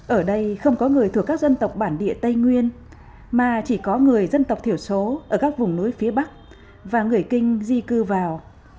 ở đây không có người thuộc các dân tộc bản địa tây nguyên mà chỉ có người dân tộc thiểu số ở các vùng núi phía bắc và người kinh di cư vào